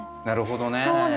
なるほどね。